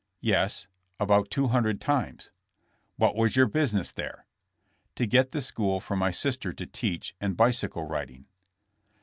*'Yes; about two hundred times." What was your business there?" '*To get the school for my sister to teach, and bicycle riding."